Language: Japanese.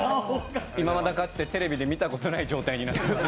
いまだかつてテレビで見たことない状態になってます。